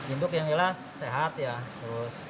induk yang jelas sehat ya